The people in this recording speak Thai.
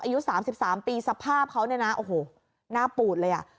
อายุสามสิบสามปีสภาพเขาเนี้ยนะโอ้โหหน้าปูดเลยอ่ะ